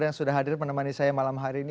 yang sudah hadir menemani saya malam hari ini